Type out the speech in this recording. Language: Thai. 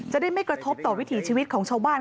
ได้ไม่กระทบต่อวิถีชีวิตของชาวบ้าน